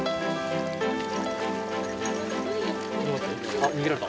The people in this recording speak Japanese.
あっ逃げられた。